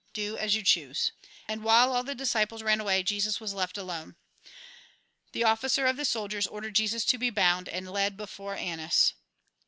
Do as you choose." And while all the disciples ran away, Jesus was left alone. The officer of the soldiers ordered Jesus to be bound, and led before Annas.